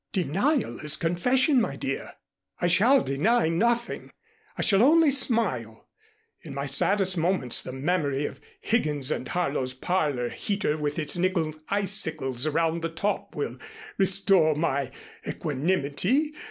"Denial is confession, my dear. I shall deny nothing. I shall only smile. In my saddest moments the memory of Higgins and Harlow's parlor heater with its nickel icicles around the top will restore my equanimity.